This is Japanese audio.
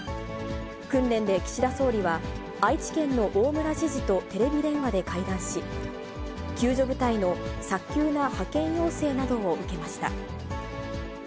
訓練で岸田総理は、愛知県の大村知事とテレビ電話で会談し、救助部隊の早急な派遣要請などを受けました。